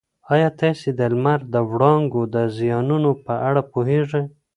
ایا تاسي د لمر د وړانګو د زیانونو په اړه پوهېږئ؟